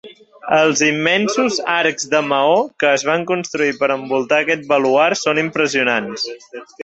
Els immensos arcs de maó que es van construir per a envoltar aquest baluard són impressionants.